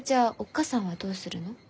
母さんはどうするの？